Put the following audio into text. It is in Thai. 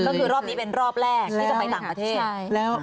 ก็คือรอบนี้เป็นรอบแรกที่จะไปต่างประเทศ